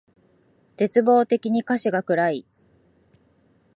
絶望的に歌詞が暗い